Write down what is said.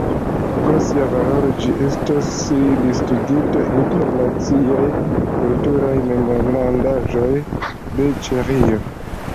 Pro sia valoro ĝi estas listigita inter Naciaj kulturaj memorindaĵoj de Ĉeĥio.